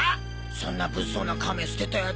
そんな物騒な亀捨てた奴